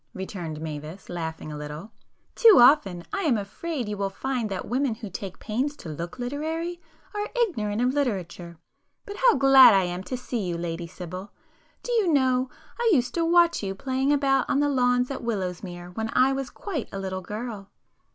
returned Mavis, laughing a little—"Too often I am afraid you will find that the women who take pains to look literary are ignorant of literature! But how glad I am to see you, Lady Sibyl! Do you know I used to watch you playing about on the lawns at Willowsmere when I was quite a little girl?"